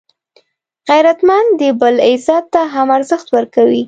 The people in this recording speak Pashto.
غیرتمند د بل عزت ته هم ارزښت ورکوي